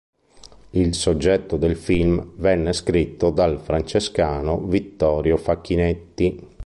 Il soggetto del film venne scritto dal francescano Vittorio Facchinetti.